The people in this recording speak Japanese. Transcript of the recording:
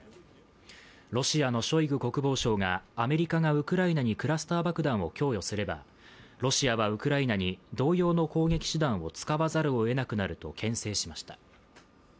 ロシアのショイグ国防相がアメリカがウクライナにクラスター爆弾を供与すればロシアはウクライナに同様の攻撃手段を使わざるをえなくなるとけん制しました。